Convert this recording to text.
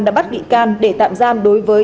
đã bắt bị can để tạm giam đối với